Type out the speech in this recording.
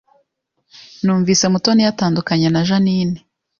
Numvise Mutoni yatandukanye na Jeaninne